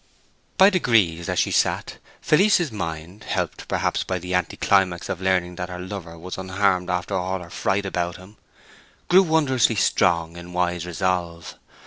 By degrees, as she sat, Felice's mind—helped perhaps by the anticlimax of learning that her lover was unharmed after all her fright about him—grew wondrously strong in wise resolve.